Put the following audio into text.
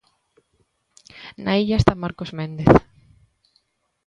Na illa está Marcos Méndez.